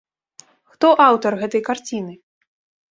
Хто аўтар гэтай карціны?